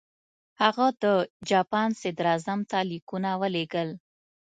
هغه د جاپان صدراعظم ته لیکونه ولېږل.